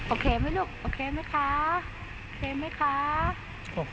โอเคไหมลูกโอเคไหมค่ะ